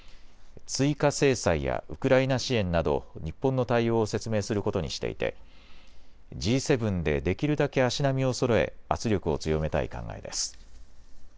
追加制裁やウクライナ支援など日本の対応を説明することにしていてＧ７で、できるだけ足並みをそろえ圧力を強めたい考えです。